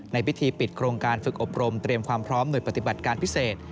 ในพิธีปิดโครงการฝึกอบรมเตรียมความพร้อมหน่วยปฏิบัติการพิเศษ